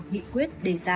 nghị quyết đề ra